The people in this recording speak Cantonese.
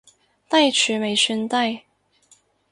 低處未算低